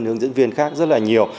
hướng dẫn viên khác rất là nhiều